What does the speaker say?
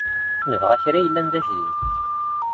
Nebɣa kra i yellan d ajdid.